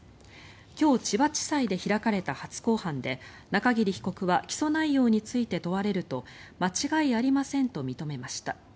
今日、千葉地裁で開かれた初公判で、中桐被告は起訴内容について問われると間違いありませんと認めました。